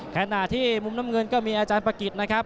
ขณะที่มุมน้ำเงินก็มีอาจารย์ประกิจนะครับ